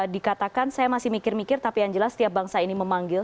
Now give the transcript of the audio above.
dikatakan saya masih mikir mikir tapi yang jelas setiap bangsa ini memanggil